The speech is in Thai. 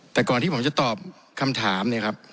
แต่ก่อนที่ผมจะตอบคำถาม